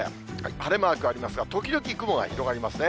晴れマークありますが、時々雲が広がりますね。